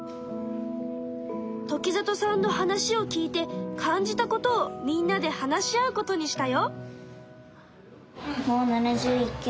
時里さんの話を聞いて感じたことをみんなで話し合うことにしたよ。